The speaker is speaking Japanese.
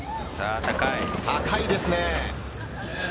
高いですね。